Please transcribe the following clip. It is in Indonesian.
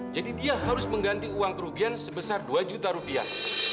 jadi dia harus mengganti uang kerugian sebesar dua juta rupiah